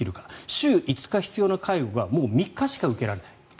週５日必要な介護がもう３日しか受けられない。